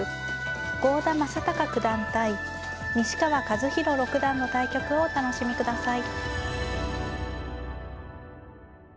郷田真隆九段対西川和宏六段の対局をお楽しみください。